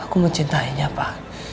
aku mencintainya pak